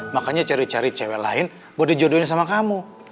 makanya cari cari cewek lain mau dijodohin sama kamu